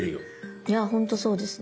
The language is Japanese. いやほんとそうですね。